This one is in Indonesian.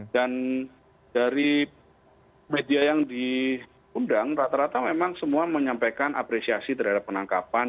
dan dari media yang diundang rata rata memang semua menyampaikan apresiasi terhadap penangkapan